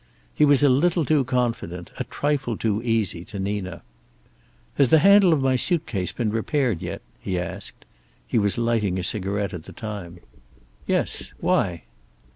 He was a little too confident, a trifle too easy to Nina. "Has the handle of my suitcase been repaired yet?" he asked. He was lighting a cigarette at the time. "Yes. Why?"